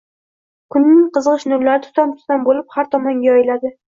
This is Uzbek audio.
Kunning qizg`ish nurlari tutam-tutam bo`lib, har tomonga yoyiladi